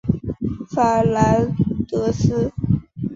法兰德斯。